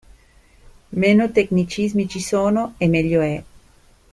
Meno tecnicismi ci sono e meglio è.